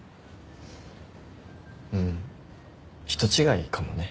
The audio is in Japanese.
うん人違いかもね。